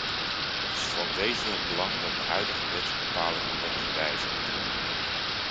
Het is van wezenlijk belang dat de huidige wetsbepalingen worden gewijzigd.